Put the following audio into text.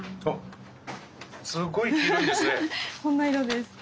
こんな色です。